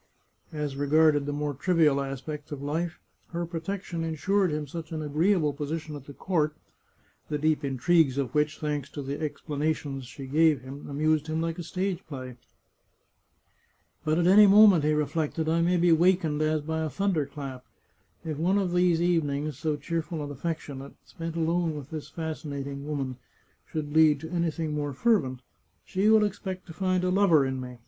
As regarded the more trivial aspects of life, her protection insured him such an agreeable position at the court, the deep intrigues of which, thanks to the explanations she gave him, amused him like a stage play. " But at any moment," he reflected, " I may be wakened as by a thunderclap. If one of these evenings, so cheerful and affectionate, spent alone with this fascinating woman, should lead to anything more fervent, she will expect to find a lover in me.